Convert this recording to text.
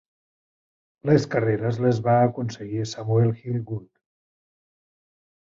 Les carreres les va aconseguir Samuel Hill Wood.